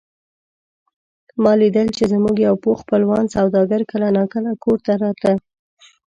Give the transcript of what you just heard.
ما لیدل چې زموږ یو پوخ خپلوان سوداګر کله نا کله کور ته راته.